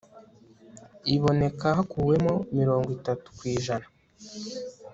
iboneka hakuwemo mirongo itatu ku ijana